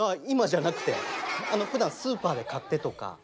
今じゃなくて。ふだんスーパーで買ってとか。